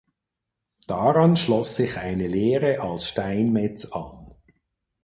Daran schloss sich eine Lehre als Steinmetz an.